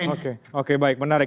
oke oke baik menarik